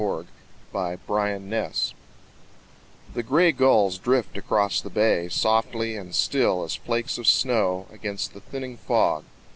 The City Revisited The grey gulls drift across the bay Softly and still as flakes of snow Against the thinning fog.